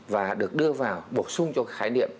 và được đưa vào bổ sung cho khái niệm